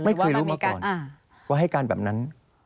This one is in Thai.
ไม่เคยรู้มาก่อนว่าให้การแบบนั้น